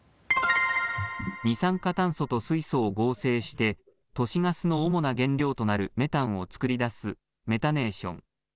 二酸化炭素と水素を合成して都市ガスの主な原料となるメタンを作り出すメタネーション。